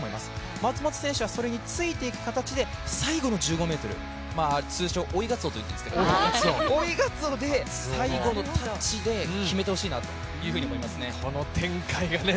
松元選手はそれについていく形で最後の１５ｍ、通称、追いガツオと言っているんですけど、追いガツオで最後のタッチで決めてほしいなと思いますね。